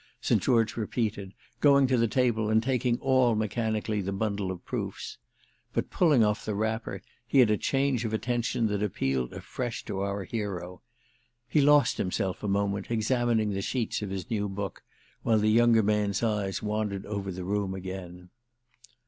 St. George repeated, going to the table and taking up all mechanically the bundle of proofs. But, pulling off the wrapper, he had a change of attention that appealed afresh to our hero. He lost himself a moment, examining the sheets of his new book, while the younger man's eyes wandered over the room again.